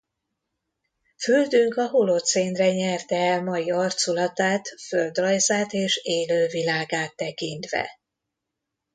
Földünk a holocénre nyerte el mai arculatát földrajzát és élővilágát tekintve.